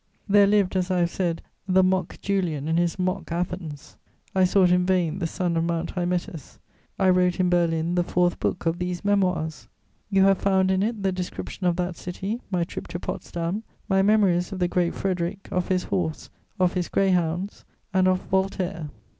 There lived, as I have said, "the mock Julian in his mock Athens." I sought in vain the sun of Mount Hymettus. I wrote in Berlin the fourth book of these Memoirs. You have found in it the description of that city, my trip to Potsdam, my memories of the Great Frederic, of his horse, of his greyhounds and of Voltaire.